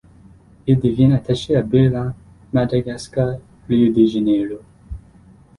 Il devient attaché à Berlin, Madagascar, Rio de Janeiro.